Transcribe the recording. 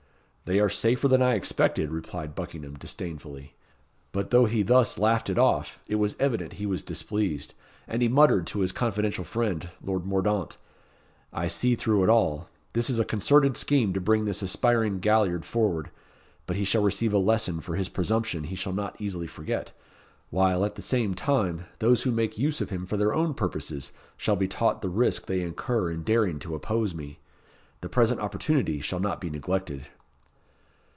"They are safer than I expected," replied Buckingham, disdainfully. But though he thus laughed it off, it was evident he was displeased, and he muttered to his confidential friend, Lord Mordaunt, "I see through it all: this is a concerted scheme to bring this aspiring galliard forward; but he shall receive a lesson for his presumption he shall not easily forget, while, at the same time, those who make use of him for their own purposes shall be taught the risk they incur in daring to oppose me. The present opportunity shall not be neglected."